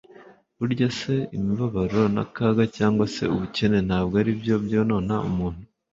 Burya imibabaro n'akaga cyangwa se ubukene ntabwo ari byo byonona umuntu;